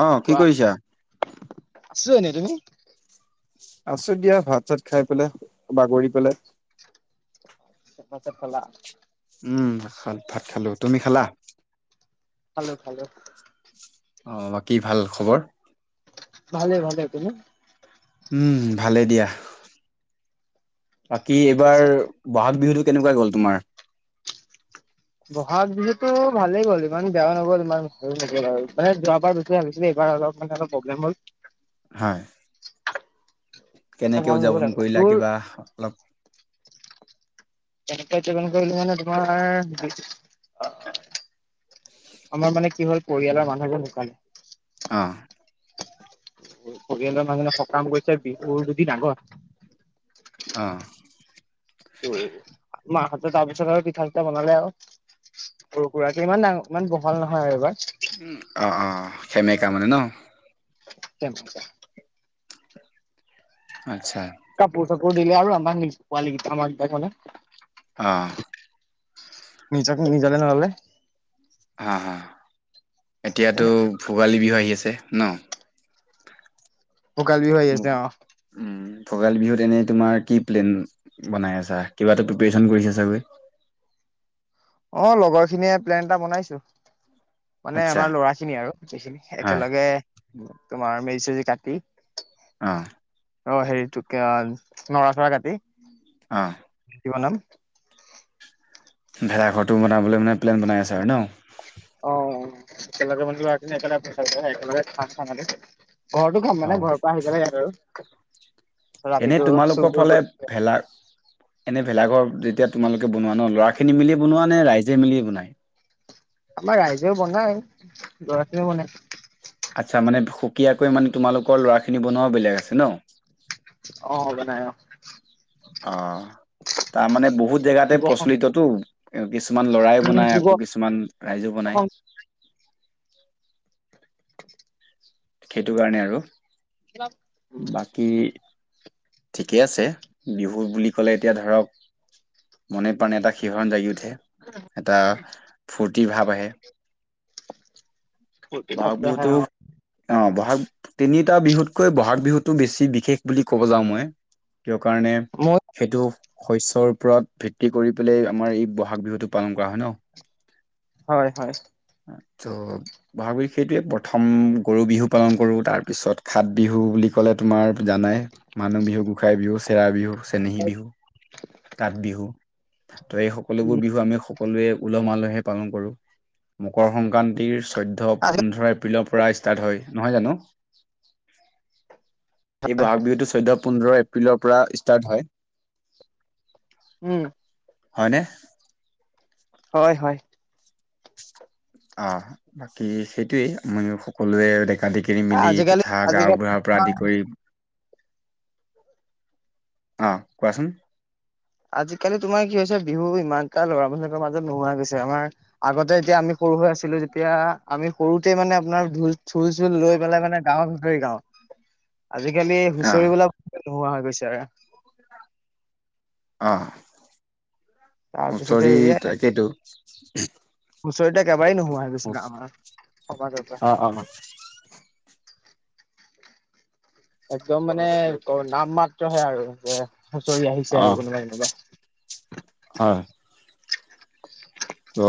অ কি কৰিছা কি আছো দিয়া ভাত চাত খাই পেলাই বাগৰি পেলাই [unintelligible] উম ভাত খালো, তুমি খালা? খালো খালো। অ, বাকী ভাল খবৰ? ভালে ভালে, তুমি? উম, ভালে দিয়া। বাকী এইবাৰ বহাগ বিহুটো কেনেকুৱা গ'ল তোমাৰ? ব'হাগ বিহুত টো ভালেই গ'ল, ইমান বেয়াও ন'গল, ইমান ভালো নগ'ল আৰু। মানে যোৱাবাৰ বেচিয়ে ভাবিছিলো, এইবাৰ অলপ মানে অলপ প্ৰব্লেম [unintelligible] হয়। কেনেকে ভাল নগ'ল উদযাপন আৰু কৰিলা তোৰ কিবা অলপ কেনেকে উদযাপন কৰিলো মানে তোমাৰ বি আমাৰ মানে কি হ'ল, পৰিয়ালৰ মানুহ এজন ঢুকালে। অহ! পৰিয়ালৰ মানুহজনৰ সকাম গৈছে বিহুৰ দুদিন আগত। অহ। মাহঁতে তাৰ পিছত আৰু পিঠা-চিঠা বনালে আৰু। সৰু-সুৰাকে, ইমান ডাঙ, ইমান বহল নহয় আৰু এইবাৰ। উম, অ, অ, সেমেকা মানে ন। [unintelligible] আচ্ছা! [unintelligible] দিলে আৰু আমাক নি পোৱালীকেইটা আমাক [unintelligible] ক'লে। অহ। নিজক নিজৰে নহ'লে? হা, হা, এতিয়াতো তেনেকে ভোগালী বিহু আহি আছে ন? অ কালি ও আহি আছে, অ। উম ভোগালী বিহুত এনেই তোমাৰ কি প্লেন বনাই আছা? কিবা এটা প্ৰিপেৰেচন কৰিছা চাগৈ? [inaudible] অ, লগৰখিনিয়ে প্লেন এটা বনাইছে। মানে আচ্ছা আমাৰ ল'ৰাখিনি আৰু গোটেইখিনি, হয় একেলগে তোমাৰ মেজি-চেজি পাতি। অহ। অ, হেৰিটোকে আৰু নৰা- চৰা কাটি অ বনাম। ভেলাঘৰটো বনাবলৈ মানে প্লেন বনাই আছে আৰু ন? অহ [unintelligible] ঘৰতো খাম, মানে ঘৰৰ পৰা আহি অ পেলাই ইয়াত আৰু। এনেই ৰাতিটো চুৰ তোমালোকৰ তুৰ ফালে কৰি ভেলা এনে ভেলাঘৰ যেতিয়া তোমালোকে বনোৱা ন, ল'ৰাখিনি মিলিয়ে বনোৱা নে ৰাইজে মিলিয়ে বনায়? আমাৰ ৰাইজেও বনাই, ল'ৰাখিনিও বনাই। আচ্ছা! মানে সুকীয়াকৈ মানে তোমালোকৰ ল'ৰাখিনি বনোৱাও বেলেগ আছে ন? অ, বনাই অ। অহ। তাৰমানে বহুত জেগাতে যুৱ সংঘ প্ৰচলিতটো কিছুমান ল'ৰাই উম, বনাই, যুৱ আকৌ সংঘ কিছুমান ৰাইজেও বনাই। [unintelligible] [unintelligible] সেইটো কাৰণে আৰু, বাকী ঠিকেই আছে, বিহু বুলি ক'লে এতিয়া ধৰক মনে-প্ৰাণে এটা শিহৰন জাগি উঠে, এটা ফূৰ্তি ভাৱ আহে। বহাগ বিহুতো অ বহাগ আৰু তিনিটা বিহুতকৈ ব'হাগ বিহুটো বেছি বিশেষ বুলি ক'ব যাওঁ মই। ক কাৰণে উম, সেইটো শস্যৰ ওপৰত ভিত্তি কৰি পেলাই আমাৰ এই বহাগ বিহুতটো পালন কৰা হয় ন হয় হয় ত বহাগ বিহ সেইটোৱে প্ৰথম গৰু বিহু পালন কৰো তাৰ পিছত খাত বিহু বুলি ক'লে তোমাৰ জানা মানুহ বিহু গোসাই বিহু চেৰা বিহু চেনেহী বিহু কাঠ বিহু ত এই সকলোবোৰ বিহু আমি সকলোৱে উলহ মালহে পালন কৰোঁ মকৰ সংক্ৰান্তিৰ চৈধ্য পোন্ধৰ এপ্ৰিলত পৰা ষ্টাৰ্ট হয় নহয় জানো এই বহাগ বিহুতটো চৈধ্ পোন্ধৰ এপ্ৰিলৰ পৰা ষ্টাৰ্ট হয় উম, হয়নে হয় হয় অ বাকী সেইটোয়েই মই সকলোৱে দেখ আদি কিনি এ মিলি আজিকালি তথা আজিকালি গাওবুঢ়াৰ পৰা তোমাৰ আদি কৰি আহ কোৱাচোন আজিকালি তোমাৰ কি হৈছে বিহু ইমান এটা ল'ৰা মানুহৰ মাজত নোহোৱা গৈছে আমাৰ আগতে যেতিয়া আমি সৰু হৈ আছিলো যেতিয়া আমি সৰুতে মানে আপোনাৰ ঢোল চুল লৈ পেলাই মানে গাঁৱৰ ভিতৰি গাও উ আজিকালি হুঁচৰিবলা ব নোহোৱা হৈ গৈছে আৰু আহ তাৰ পিছতে এয়াই হুচৰিকেইটো [unintelligible] পৰা অ অ একদম কথা মানে পাতি লওক ক নাম মাত্ৰহে আৰু যে হুঁচৰি আহিছে অ আৰু কোনোবাই কোনোবাই হয় অ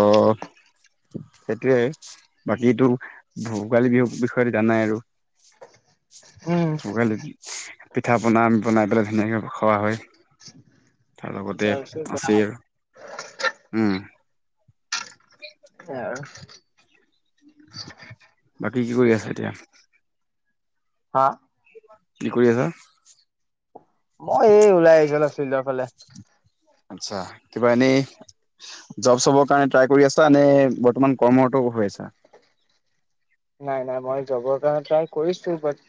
সেইটোয়ে বাকীটো ভোগালী বিহুৰ বিষয়ে জানাই আৰু উম ভোগালি পিঠা পনা বনাই পেলাই ধুনীয়াকে খোৱা হয় তাৰ লগতে আছিল উম আহ কি কি কৰি আছ এতিয়া হা কি কৰি আছা মই এই ওলাই আহিছো চৰ ফালে আছা কিবা এনে জব চব কাৰণে ট্ৰাই কৰি আছা নে তমমান কৰ্মৰত হৈ আছা নাই নাই মই জবৰ কাৰে ট্ৰাই কৰিছো বাট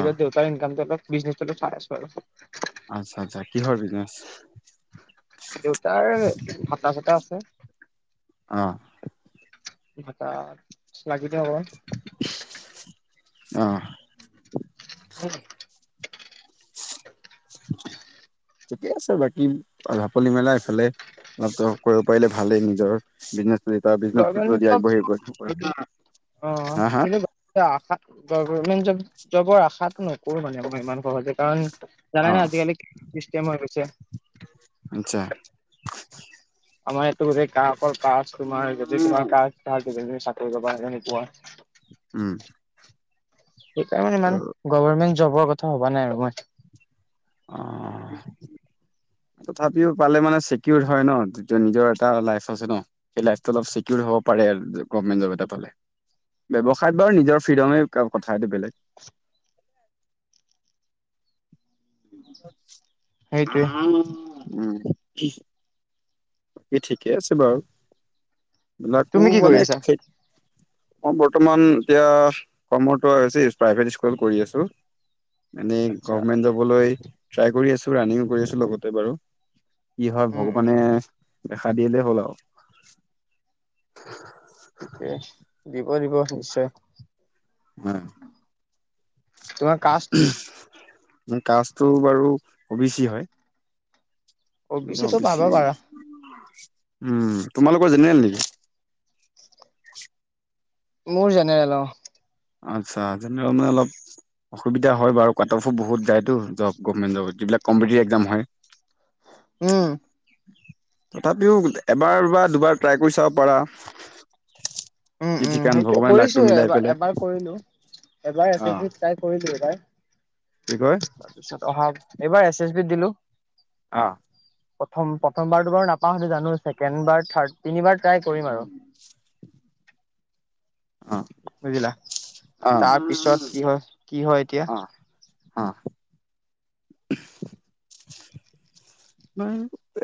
অ [unintelligible] দেউতাৰ [unintelligible] [unintelligible] আচ্ছা আচ্ছা কি হয়ৰ বিজনেচ দেউতাৰ ভাতা চাটা আছে অ', ভাত লাগিতে হব। অহ ', [unintelligible] ঠিকে আছে বাকী ডাপলি মেলা এইফালে অ, কৰিব পাৰিলে ভালেই নিজৰ বিজনেচ গগেৱ অ, হা হা সেইটো আ [unintelligible] গভমেণ্ট জব জবৰ আশাটো নকৰো মানে আক ইমান সহজে কাৰণ অ জানানে আজিকালি কি স্কেম্মাৰ হৈছে। আচ্ছা আমাৰ ইয়াতো গোটেই গ্ৰাহকৰ কাজ তোমাৰ যদি তোমাৰ কমি চাকৰি কৰিবা তেনেকুৱা। উম, সেইকাৰণে ত ইমান গভমেণ্ট জবৰ কথা ভবা নাই আৰু মই। অ', তথাপিও পালে মানে চিকিউৰ হয় ন নিজৰ এটা লাই আছে ন সেই লাইটো অলপ চিকিউৰ হ'ব পাৰে গভমেণ্ট জব এটা পালে। ব্যবসায়ত বাৰু নিজৰ ফ্ৰীডমে কথা এইটো বেলেগ। সেইটোৱে। উম, বাকী ঠিকে আছে বাৰুবিলাকো তুমি কি কৰি মানে। আছা মই বৰ্তমান এতিয়া কৰ্মটো হৈছে প্ৰাইভেট স্কুল কৰি আছো। মানে আচ্ছা গভমেন্ট যাবলৈ ট্ৰাই কৰি আছো ৰানিং কৰি আছো লগতে বাৰু। কি হয় উম উম ভগৱানে দেখা দিলে হ'ল আৰু। তাকে দিব - দিব নিশ্চয়। মোৰ তোমাৰ কাষ্ট কি? কাষ্টটো বাৰু ও বে ছি হয়। অ ও চিটো বি পাবা ছি পাৰা। উম তোমালোকৰ জেনেৰেল নেকি? মোৰ জেনেৰেল অহ। আচ্ছা জেনেৰেল মানে অলপ অসুবিধা হয় বাৰু কাট অফো বহুত যায়তো জব গভমেন্ট জব যাক এক কম্পেটিব এক্সাম হয়। উম, তথাপিও এবাৰ বা দুবাৰ ট্ৰাই কৰি চাব পাৰা। উম- কি উম ঠিকান সেইটোোৱে ভগৱানে লাগটো কৰিছো মিলাই এবাৰ- পেলাই এবাৰ কৰিলো এবাৰ অ আছেি তাই কৰিলো এবাৰ। কি কয় তাৰপিছত অহা এইবাৰ এছ এছ বি দিলো। অ', প্ৰথম- প্ৰথমবাৰতো বাৰু নাপাও সেইটো জানো ছেকেণ্ড বাৰ থাৰড তিনিবাৰ ট্ৰাই কৰিম আৰু। [inaudible] অ বুজিলা অ তাৰ পিছত কি হয় - কি হয় এতিয়া। হয়।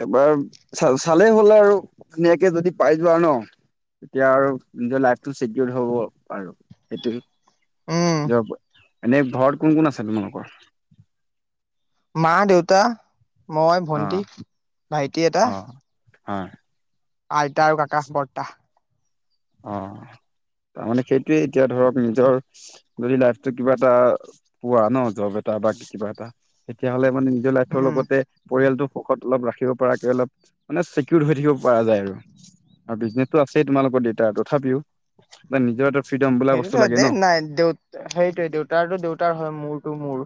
এবাৰ চালে হল আৰু ধুনীয়াকে যদি পাই যোৱা ন। এতিয়া আৰু নিজৰ লাইফটো চিকিউৰ হব আৰু সেইটোৱে। উম য এনেই ঘৰত কোন - কোন আছে তোমালোকৰ? মা দেউতা মই ভন্টি অ', ভাইটি এটা। অ'। হয়। আইটা আৰু ককা বৰ্তা। অ', তাৰ মানে সেইটোয়ে এতিয়া ধৰক নিজৰ যদি লাইফটো কিবা এটা পোৱা ন জব এটা। কিবা এটা তেতিয়ালে মানে নিজৰ লাইফ উম। লগতে পৰিয়াল সুখত অলপ ৰাখিব পৰাকে অলপ মানে চিকিউৰ হৈ থাকিব পৰা যায় আৰু। আৰু বিজনেচো আছেই তোমালোকৰ দেউতাৰ তথাপিও নিজৰ ফ্ৰীডম বোলা বস্তু সেইটোতো লাগে দেই ন। নাই দেউ সেইটোয়ে দেউতাৰটো - দেউতাৰ হয় মোৰতটো মোৰ।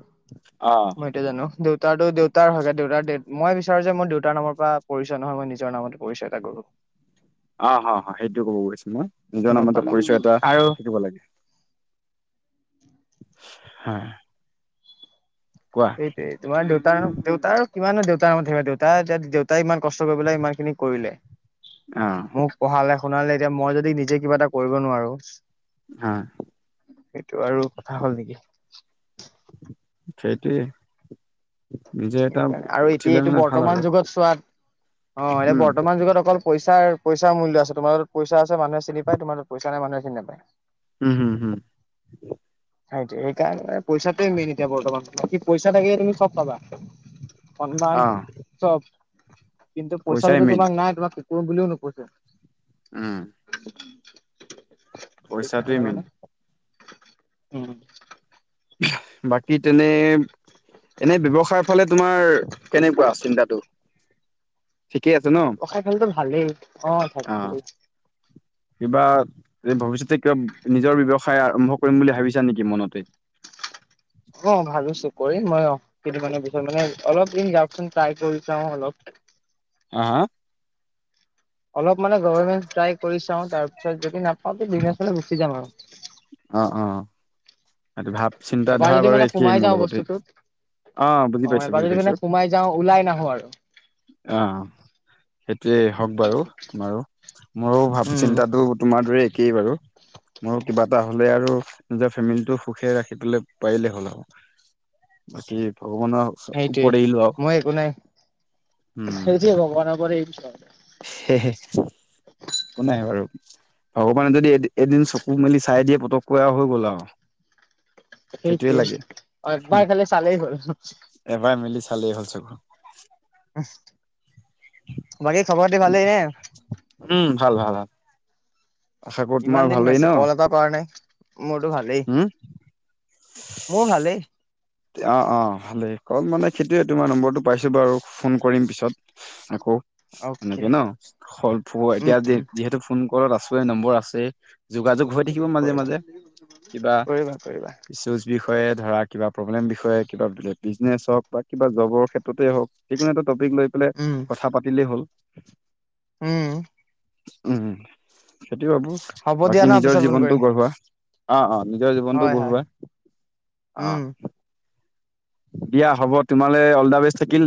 অ', মই এইটোৱে জানো‌ দেউ দেউতাৰো দেউতাৰ হয়, দেউতাৰ দে মই বিচাৰো যে, মই দেউতাৰ নামৰ পৰা পৰিচয় নহয়, মই নিজৰ নামতে পৰিচয় এটা গঢ়ো। [inaudible] অ', অ', সেইটোও ক'ব গৈছো মই নিজৰ গম নামত পালা পৰিচয় এটা আৰু থাকিব লাগে। হা। সেইটোয়ে তোমাৰ দেউতাৰ দেউতাৰ কিমান দেউতাৰ মত থাকিবা দেউতা দেউতাই ইমান কষ্ট কৰি পেলাই ইমান খিনি কৰিলে অ'। মোক পঢ়ালে, শুনালে এতিয়া মই যদি নিজে কিবা এটা কৰিব নোৱাৰো হয়। সেইটো আৰু কথা হ'ল নিকি। টোৱে সেইটোৱে নিজে এটা সেইকাৰণে আৰু এতিয়া উঠিলে এইটো মানে ভাল আৰু বৰ্তমান যুগত চোৱাত অ', এ উম বৰ্তমান যুগত অকল পইচাৰ পইচা মূল্য আছে তোমাৰ তাত পইচা আছে মানুহে চিনি পায়, তোমাৰ তাত পইচা নাই মানুহে চিনি নাপায়। উম, হম, হম। সেইতো সেইকাৰণে পইচাটোয়ে মেইন এতিয়া বৰ্তমান কি পইচা থাকে তুমি চব পাবা। অ সন্মান চব। কিন্তু পইচা পইচাই যদি মেইন তোমাক নাই তোমাক কুকুৰ বুলিও নোপোচে। উম পইচাটোৱে মেইন। উম। বাকী তেনে এনে ব্যৱসায়ৰ ফালে তোমাৰ কেনেকুৱা চিন্তাটো? ঠিকেই আছে ন সাই ফলেটো ভালেই অ', ভালেই কিবা ভৱিষ্যতে কিবা নিজৰ ব্যৱসায় আৰম্ভ কৰিম বুলি ভাবিছা নেকি মনতে? অ', ভাবিছোঁ কৰিম মই অ', কেইদিনমানৰ পিছত মানে অলপ দিন যাওঁকচোন ট্ৰাই কৰি চাওঁ অলপ হা হা অলপ মানে গভৰমেণ্ট ট্ৰাই কৰি চাওঁ, তাৰ পিছত যদি নাপাওঁ তে বিজনেছলে গুচি যাম আৰু। অ', অ', এইটো ভাৱ চিন্তা এবাৰ ধাৰা যদি বাৰু মানে একেই সোমাই মোৰ যাওঁ লগতে। বস্তুটোত বুজি অ', পাইছো এবাৰ বুজি যদি পাইছো কেনে সোমাই যাওঁ ওলাই নাহো আৰু অ'। সেইটোৱে হওঁক বাৰু, বাৰু মোৰো ভাব উম চিন্তাটো তোমাৰ দৰেই একেই বাৰু ময়ো কিবা তাহলে আৰু নিজৰ ফেমিলিটো সুখে ৰাখিবলৈ পাৰিলেই হ'ল আৰু বাকী ভগৱানৰ সেইটোৱে ওপৰত এৰিলোঁ আউ, মই একো নাই উম। সেইটোৱে ভগৱানৰ ওপৰত এৰিছো আৰু [unintelligible] একো নাই বাৰু ভগৱানে যদি এ এদিন চকু মেলি চাই দিয়ে পতককৈ আৰু হৈ গ'ল আউ সেইটোৱে লাগে অ এবাৰ হ'ম খালি চালেই হ'ল এবাৰ মিলি চালেই হ'ল চকু [unintelligible] বাকী খবৰ খাটি ভালেই নে? উম ভাল ভাল ভাল। আশা কৰো তোমাৰ ইমান দিন ভালেই ন মেছে কল এটা কৰা নাই, মোৰতো ভালেই। উম মোৰ ভালেই অ', অ', ভালেই, ক'ল মানে সেইটোৱে তোমাৰ নম্বৰটো পাইছোঁ বাৰু ফোন কৰিম পিছত আকৌ। অকে এনেকে ন, [unintelligible] উম এতিয়া উম যিহেতু ফোন ক'লত আছোৱে নম্বৰ আছেই যোগাযোগ হৈ থাকিব মাজে, কৰিবা মাজে কিবা কৰিবা কৰিবা ইছুজ বিষয়ে ধৰা কিবা প্ৰব্লেম বিষয়ে, কিবা বোলে বিজনেছ হওঁক বা কিবা জবৰ ক্ষেত্ৰতেই হওঁক যিকোনো এটা টপিক লৈ পেলাই উম কথা পাতিলেই হ'ল উম। উম, সেইটো ভাবো হ'ব দিয়া বাকী ন নিজৰ পিছত ফোন জীৱনটো কৰিম গঢ়োৱা অ', অ', নিজৰ জীৱনটো হয় হয় গঢ়োৱা অ, উম দিয়া হ'ব তোমালে অল দা বেষ্ট থাকিল।